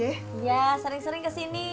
iya sering sering ke sini